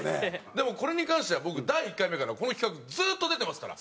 でもこれに関しては僕第１回目からこの企画ずっと出てますから。